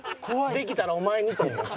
できたらお前にと思って。